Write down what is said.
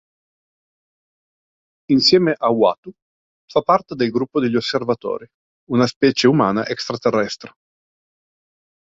Insieme a Uatu, fa parte del gruppo degli Osservatori, una specie umana extraterrestre.